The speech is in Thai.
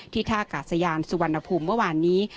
ท่ากาศยานสุวรรณภูมิเมื่อวานนี้